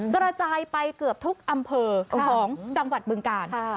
กระจายไปเกือบทุกอำเภอของจังหวัดบึงกาล